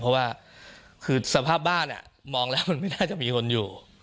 เพราะว่าคือสภาพบ้านมองแล้วมันไม่น่าจะมีคนอยู่